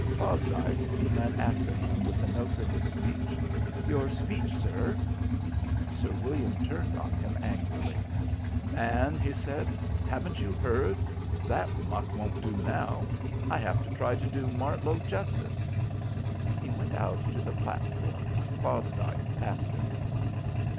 Fosdike ran after him with the notes of his speech. "Your speech, sir." Sir William turned on him angrily. "Man," he said, "haven't you heard? That muck won't do now. I have to try to do Martlow justice." He went out to the platform, Fosdike after him.